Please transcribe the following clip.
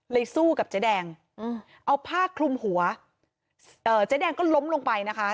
สู้กับเจ๊แดงเอาผ้าคลุมหัวเอ่อเจ๊แดงก็ล้มลงไปนะคะ